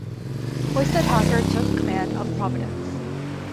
Hoysted Hacker took command of "Providence".